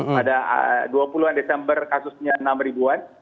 pada dua puluh an desember kasusnya enam ribuan